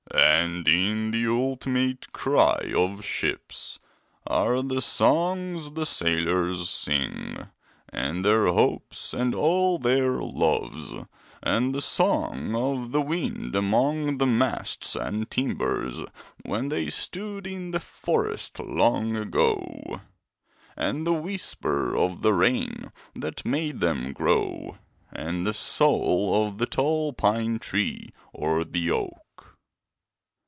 And in the ultimate cry of ships are the songs the sailors sing, and their hopes and all their loves, and the song of the wind among the masts and timbers when they stood in the forest long ago, and the whisper of the rain that made them grow, and the soul of the tall pine tree or the oak.